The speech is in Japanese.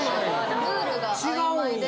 ルールが曖昧で。